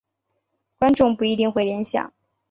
观众不一定会联想。